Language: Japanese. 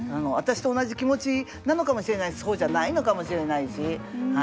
私と同じ気持ちなのかもしれないしそうじゃないのかもしれないし。